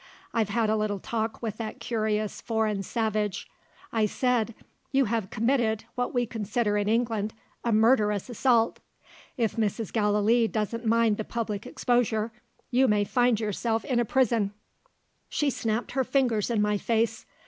I've had a little talk with that curious foreign savage. I said, 'You have committed, what we consider in England, a murderous assault. If Mrs. Gallilee doesn't mind the public exposure, you may find yourself in a prison.' She snapped her fingers in my face.